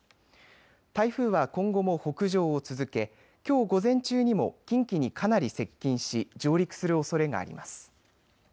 台風は今後も北上を続けきょう午前中にも近畿にかなり接近し上陸するおそれがあります。